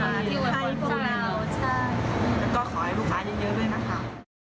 ขอให้ลูกค้าเยอะด้วยนะคะ